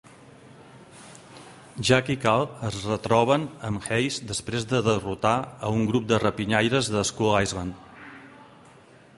Jack i Carl es retroben amb Hayes després de derrotar a un grup de rapinyaires de Skull Island.